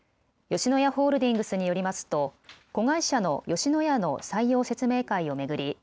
吉野家ホールディングスによりますと子会社の吉野家の採用説明会を巡り